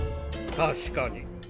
確かに。